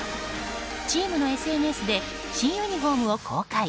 チームのＳＮＳで新ユニホームを公開。